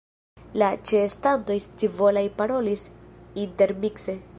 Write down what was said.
La ĉeestantoj scivolaj parolis intermikse: